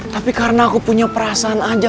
tapi karena aku punya perasaan aja